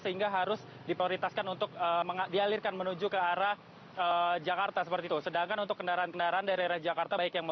sehingga harus diprioritaskan untuk mengalami kepadatan yang cukup tinggi